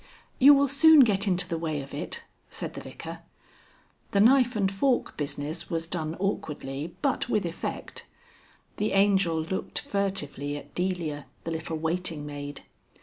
"You will soon get into the way of it," said the Vicar. The knife and fork business was done awkwardly but with effect. The Angel looked furtively at Delia, the little waiting maid.